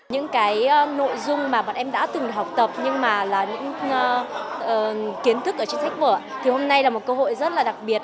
những cái nội dung mà bọn em đã từng học tập nhưng mà là những kiến thức ở trên sách vở thì hôm nay là một cơ hội rất là đặc biệt